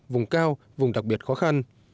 vùng cao vùng đặc biệt khó khăn